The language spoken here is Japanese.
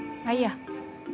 あっいや。